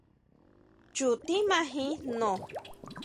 Chu tjímajin jno.